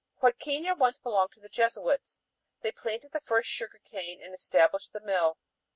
Huadquiña once belonged to the Jesuits. They planted the first sugar cane and established the mill.